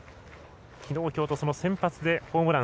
きのう、きょうと先発でホームラン。